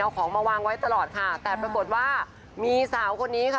เอาของมาวางไว้ตลอดค่ะแต่ปรากฏว่ามีสาวคนนี้ค่ะ